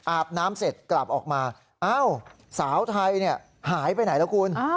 อาบน้ำเสร็จกลับออกมาอ้าวสาวไทยหายไปไหนแล้วคุณ